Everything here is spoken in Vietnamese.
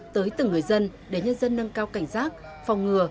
tới từng người dân để nhân dân nâng cao cảnh giác phòng ngừa